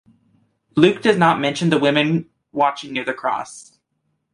Luke does not mention the women watching near the cross.